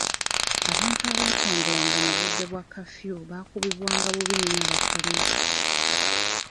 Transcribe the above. Abantu abaatambulanga mu budde bwa kafyu baakubibwanga bubi nnyo abapoliisi.